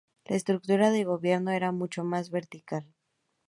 La estructura de gobierno era mucho más vertical.